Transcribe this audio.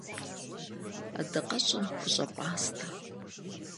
Adakheş'ere xuş'e p'astere.